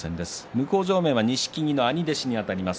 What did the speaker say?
向正面は錦木の兄弟子にあたります